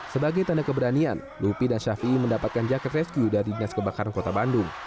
sebagai tanda keberanian lupi dan syafi mendapatkan jaket rescue dari dinas kebakaran kota bandung